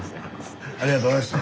ありがとうございます。